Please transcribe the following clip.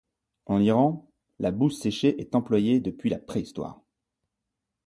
En Iran, la bouse séchée est employée depuis la Préhistoire.